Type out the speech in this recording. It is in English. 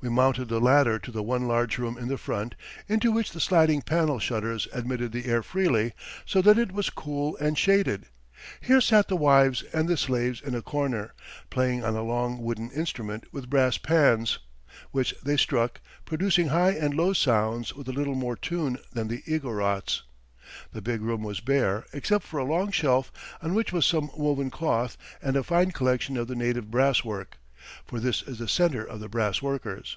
We mounted the ladder to the one large room in the front, into which the sliding panel shutters admitted the air freely, so that it was cool and shaded. Here sat the wives and the slaves in a corner, playing on a long wooden instrument with brass pans, which they struck, producing high and low sounds, with a little more tune than the Igorots. The big room was bare, except for a long shelf on which was some woven cloth and a fine collection of the native brass work, for this is the center of the brass workers.